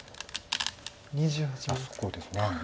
そこです。